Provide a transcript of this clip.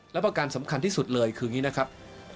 และประการสำคัญที่สุดเลยคืออย่างนี้นะครับ